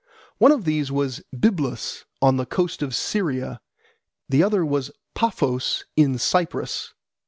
One of these was Byblus on the coast of Syria, the other was Paphos in Cyprus.